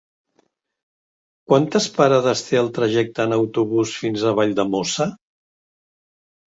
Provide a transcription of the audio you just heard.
Quantes parades té el trajecte en autobús fins a Valldemossa?